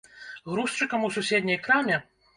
Грузчыкам у суседняй краме?